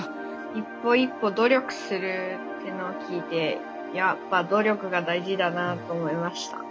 一歩一歩努力するっていうのを聞いてやっぱ努力が大事だなと思いました。